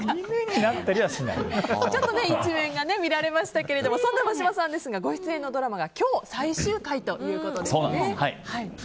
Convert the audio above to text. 一面が見られましたけれどもそんな眞島さんですがご出演のドラマが今日最終回なんですね。